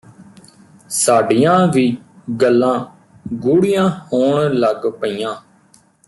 ਸਾਡੀਆਂ ਵੀ ਗੱਲਾਂ ਗੂੜ੍ਹੀਆਂ ਹੋਣ ਲੱਗ ਪਈਆਂ